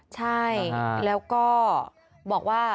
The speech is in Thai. ใช่แล้วก็บอกว่า